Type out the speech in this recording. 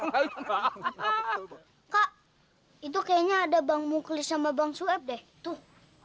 kak itu kayaknya ada bang muklis sama bang sueb deh tuh